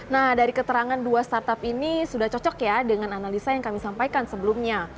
nah dari keterangan dua startup ini sudah cocok ya dengan analisa yang kami sampaikan sebelumnya